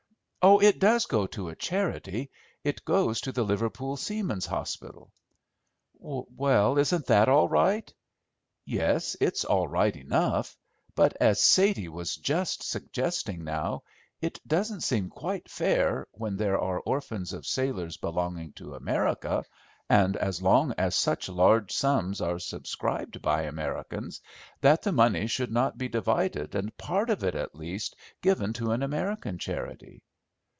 "Oh, it does go to a charity. It goes to the Liverpool Seamen's Hospital." "Well, isn't that all right?" "Yes, it's all right enough; but, as Sadie was just suggesting now, it doesn't seem quite fair, when there are orphans of sailors belonging to America, and as long as such large sums are subscribed by Americans, that the money should not be divided and part of it at least given to an American charity."